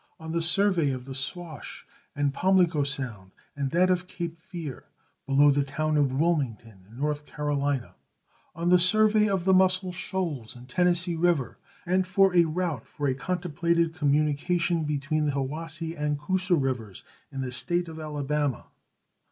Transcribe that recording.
On the survey of the Swash, in Pamlico Sound, and that of Cape Fear, below the town of Wilmington, in North Carolina. On the survey of the Muscle Shoals, in the Tennessee River, and for a route for a contemplated communication between the Hiwassee and Coosa rivers, in the State of Alabama.